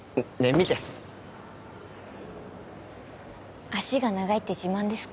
見て脚が長いって自慢ですか？